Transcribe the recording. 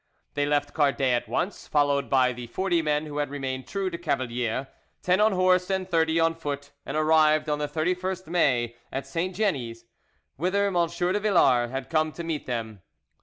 They left Cardet at once, followed by the forty men who had remained true to Cavalier, ten on horse and thirty on foot, and arrived on the 31st May at Saint Genies, whither M. de Villars had come to meet them.